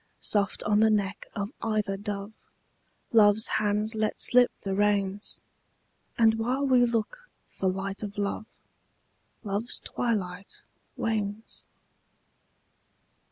Soft on the neck of either dove Love's hands let slip the reins: And while we look for light of love Love's twilight wanes.